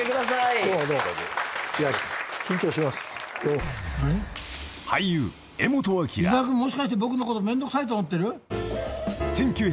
「井沢君もしかして僕のことめんどくさいと思ってる？」